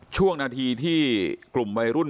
ช่วงนาทีที่กลุ่มวัยรุ่น